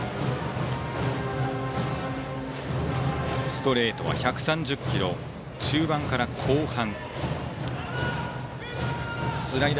ストレートは１３０キロ中盤から後半。